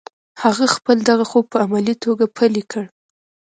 هغه خپل دغه خوب په عملي توګه پلی کړ